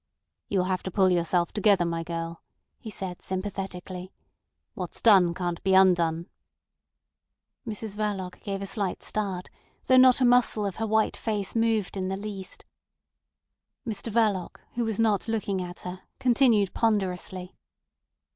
"You'll have to pull yourself together, my girl," he said sympathetically. "What's done can't be undone." Mrs Verloc gave a slight start, though not a muscle of her white face moved in the least. Mr Verloc, who was not looking at her, continued ponderously.